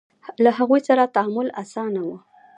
له هغوی سره تعامل اسانه و.